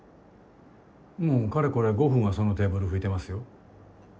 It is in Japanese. もうかれこれ５分はそのテーブル拭いてますよ。